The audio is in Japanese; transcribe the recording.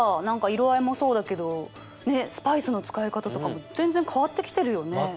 何か色合いもそうだけどねっスパイスの使い方とかも全然変わってきてるよね。